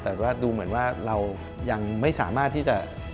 แต่ว่าดูเหมือนว่าเรายังไม่สามารถที่จะ